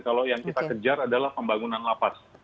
kalau yang kita kejar adalah pembangunan lapas